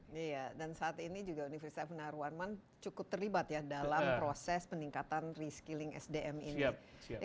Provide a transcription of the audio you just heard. nah saat ini juga universitas benaruan memang cukup terlibat ya dalam proses peningkatan reskilling sdm ini